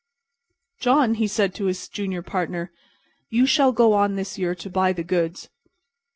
"John," he said, to his junior partner, "you shall go on this year to buy the goods."